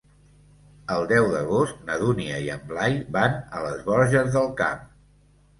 El deu d'agost na Dúnia i en Blai van a les Borges del Camp.